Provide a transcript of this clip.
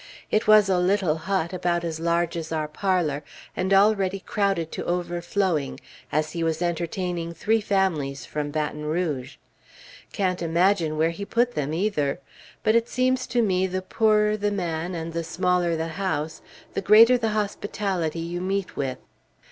It was a little hut, about as large as our parlor, and already crowded to overflowing, as he was entertaining three families from Baton Rouge. Can't imagine where he put them, either. But it seems to me the poorer the man, and the smaller the house, the greater the hospitality you meet with.